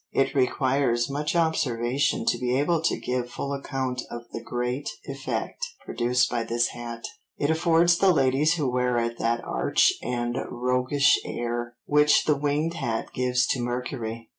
It requires much observation to be able to give full account of the great effect produced by this hat; it affords the ladies who wear it that arch and roguish air, which the winged hat gives to Mercury."